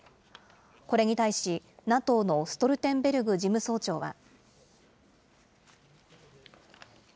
これに対し、ＮＡＴＯのストルテンベルグ事務総長は。